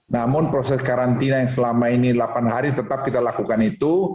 namun proses karantina yang selama ini delapan hari tetap kita lakukan itu